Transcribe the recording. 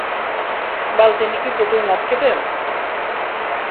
বাল তিনি কি প্রচুর মদ খেতেন?